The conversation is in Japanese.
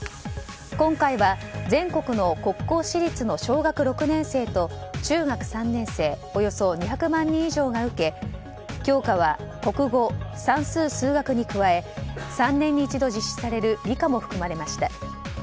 今回は、全国の国公私立の小学６年生と中学３年生およそ２００万人以上が受け教科は国語、算数・数学に加え３年に一度、実施される理科も含まれました。